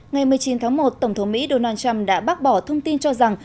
ngày một mươi chín tháng một tổng thống mỹ donald trump đã bác bỏ thông tin cho rằng